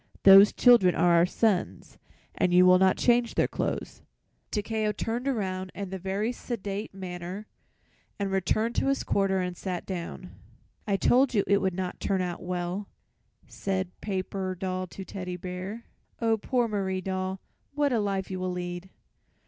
Those children are our sons and you will not change their clothes." Takeo turned around in a very sedate manner and returned to his corner and sat down. "I told you it would not turn out well," said Paper Doll to Teddy Bear. "Oh, poor Marie Doll, what a life you will lead!"